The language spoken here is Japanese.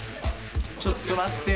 ちょっと待ってよ。